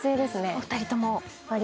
お２人とも。